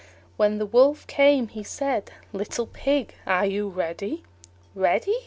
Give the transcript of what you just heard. When the Wolf came he said, "Little Pig, are you ready?" "Ready!"